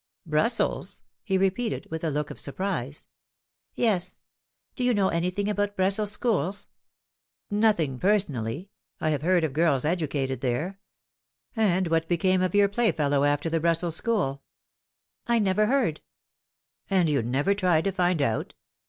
' Brussels !" he repeated, with a look of surprise. ' Yes. Do you know anything about Brussels schools ?"' Nothing personally. I have heard of girls educated there. And what became of your playfellow after the Brussels school?" ' I never heard." ' And you never tried to find out